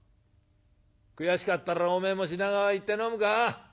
悔しかったらおめえも品川行って飲むか？